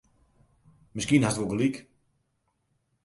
Miskien hast wol gelyk.